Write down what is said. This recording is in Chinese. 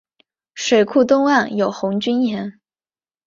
水库东岸有红军岩。